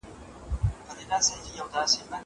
ته ولي انځورونه رسم کوې؟